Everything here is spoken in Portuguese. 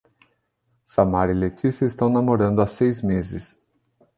Samara e Letícia estão namorando há seis meses